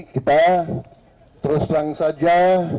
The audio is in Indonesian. kita terus terang saja